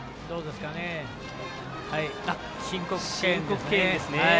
申告敬遠ですね。